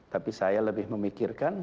tapi saya lebih memikirkan